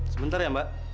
sebentar ya mbak